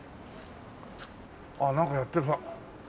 あっなんかやってるな。